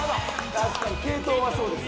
確かに系統はそうです。